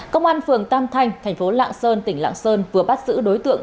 công an phường tam thanh thành phố lạng sơn tỉnh lạng sơn vừa bắt giữ đối tượng